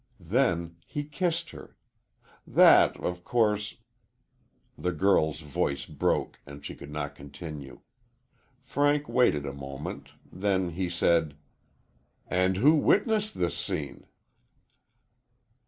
Then then he kissed her. That of course " The girl's voice broke and she could not continue. Frank waited a moment, then he said: "And who witnessed this scene?"